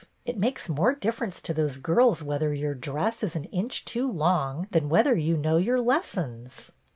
It makes more difference to those girls whether your dress is an inch too long than whether you know your lessons."